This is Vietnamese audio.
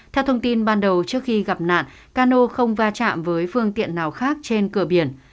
theo thông tin ban đầu trước khi gặp nạn cano không va chạm với phương tiện nào khác trên cửa biển